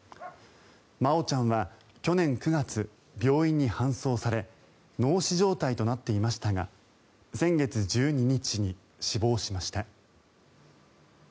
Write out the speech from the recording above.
真愛ちゃんは去年９月病院に搬送され脳死状態となっていましたが先月１２日に死亡しました。